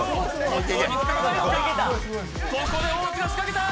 ここで大津が仕掛けた。